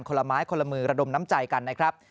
ละไม้คนละมือระดมน้ำใจกันนะครับ